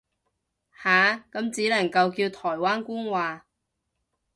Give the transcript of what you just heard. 下，咁只能夠叫台灣官話